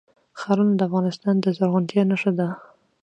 ښارونه د افغانستان د زرغونتیا نښه ده.